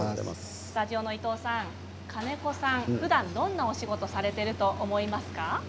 スタジオのいとうさん金子さん、ふだんはどんなお仕事をされていると思いますか？